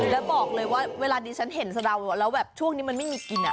แล้วบอกเลยว่าเวลาดิฉันเห็นสะดาวแล้วแบบช่วงนี้มันไม่มีกิน